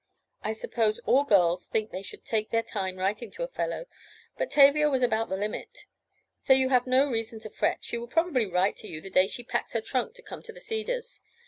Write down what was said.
I suppose all girls think they should take their time writing to a fellow, but Tavia was about the limit. So you have no reason to fret, as she will probably write to you the day she packs her trunk to come to the Cedars.